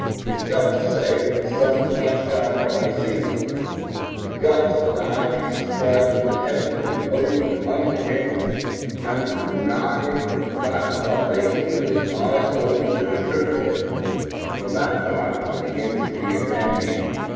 12 He has got to say that the sun does not shine while he sees it; he has got to deny Jesus Christ when the heavens have been opened unto him, and to deny the plan of salvation with his eyes open to the truth of it; and from that time he begins to be an enemy.